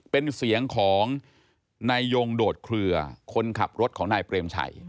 เป็นเสียงของนายยงโดดเคลือคนขับรถของนายเปรมชัย